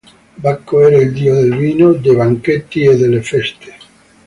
Bacco era il dio del vino, dei banchetti e delle feste.